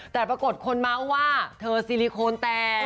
แต่ปรากฏคนเมาส์ว่าเธอซิลิโคนแตก